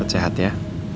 cepat sehat ya